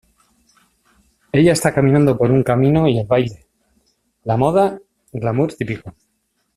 Ella está caminando por un camino y el baile, la moda glamour típico.